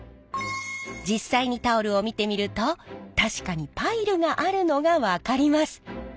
実際にタオルを見てみると確かにパイルがあるのが分かります。